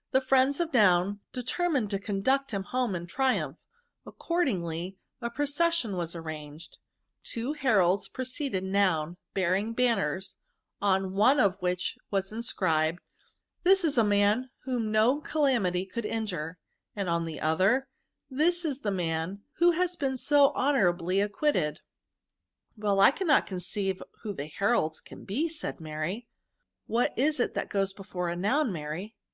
" The friends of Noun determined to con duct him home in triumph. Accordingly a procession was arranged ; two heralds pre ceded Noun, bearing banners ; on one of which was inscribed —• This is a man whom* no calumny could injure ;' and on the other. VERBS. 285 * This is the man who has been to honour ably acquitted/ "" Well, I cannot conceive who the heralds can be/' said Mary. ^' What is it that goes before a noun, Mary